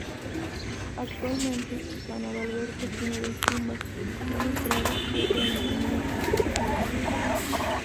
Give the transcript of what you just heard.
Actualmente, San Adalberto tiene dos tumbas, una en Praga y otra en Gniezno.